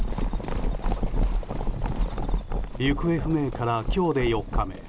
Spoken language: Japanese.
行方不明から今日で４日目。